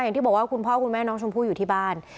อย่างที่บอกว่าคุณพ่อคุณแม่น้องชมพู่อยู่ที่บ้าน